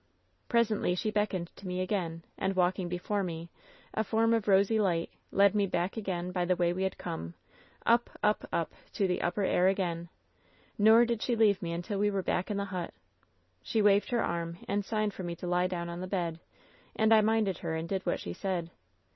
"Presently she beckoned to me again, and walking before me, a form of rosy light, led me back again by the way we had come, up, up, up, to the upper air again. Nor did she leave me until we were back in the hut. She waved her arm and signed for me to lie down on the bed ; and I minded her and did what she said.